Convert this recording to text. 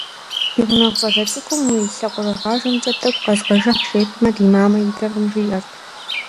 Ди гъунэгъу щӏалэ цӏыкӏум «уи лъакъуэрыгъажэмкӏэ тӏэкӏу къэзгъэжыхь» жепӏэмэ, «ди мамэ идэркъым» жиӏэрт.